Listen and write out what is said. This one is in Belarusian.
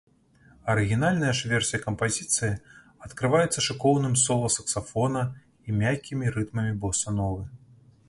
Арыгінальная ж версія кампазіцыі адкрываецца шыкоўным сола саксафона і мяккімі рытмамі боса-новы.